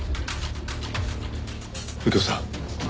右京さん。